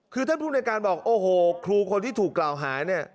คือท่านผู้ในการบอกโอ้โหครูคนที่ถูกกล่าวหาเนี่ย